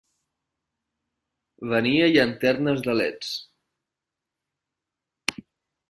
Venia llanternes de leds.